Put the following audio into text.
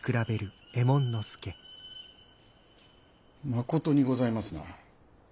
まことにございますな。